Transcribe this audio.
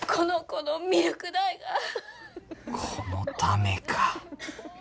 このためか。